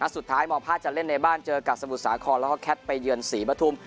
สุดท้ายมภาคจะเล่นในบ้านเจอกับสมุทรสาครแล้วก็แคทไปเยือนศรีปฐุม